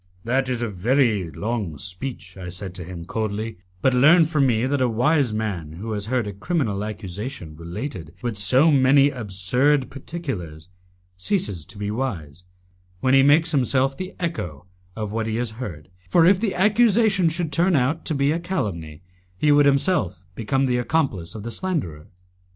"That is a very long speech," I said to him, coldly, "but learn from me that a wise man who has heard a criminal accusation related with so many absurd particulars ceases to be wise when he makes himself the echo of what he has heard, for if the accusation should turn out to be a calumny, he would himself become the accomplice of the slanderer."